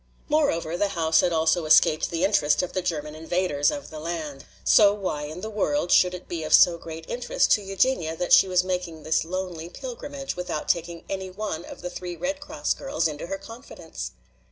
Moreover, the house had also escaped the interest of the German invaders of the land. So why in the world should it be of so great interest to Eugenia that she was making this lonely pilgrimage, without taking any one of the three Red Cross girls into her confidence?